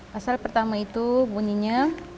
pasal pertama itu bunyinya